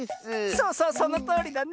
そうそうそのとおりだね。